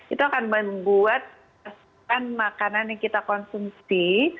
itu akan membuat makanan yang kita konsumsi